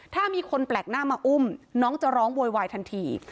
ถ้ามีคนแปลกหน้ามาอุ้มน้องจะร้องโวยวายทันที